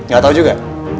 gak tau juga